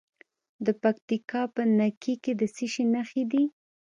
د پکتیکا په نکې کې د څه شي نښې دي؟